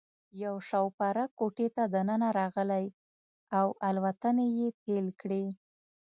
یو شوپرک کوټې ته دننه راغلی او الوتنې یې پیل کړې.